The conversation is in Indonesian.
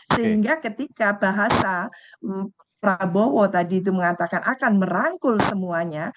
sehingga ketika bahasa prabowo tadi itu mengatakan akan merangkul semuanya